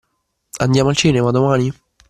Andiamo al cinema domani?